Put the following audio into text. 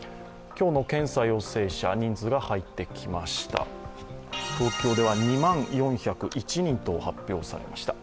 今日の検査陽性者、人数が入ってきました。